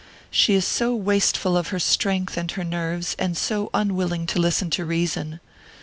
She is so wasteful of her strength and her nerves, and so unwilling to listen to reason.